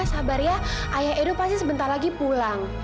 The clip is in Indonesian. sabar ya ayah edo pasti sebentar lagi pulang